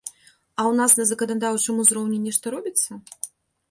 А ў нас на заканадаўчым узроўні нешта робіцца?